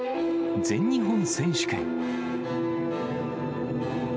全日本選手権。